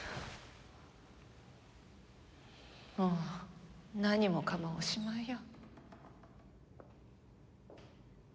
もう何もかもおしまいよ。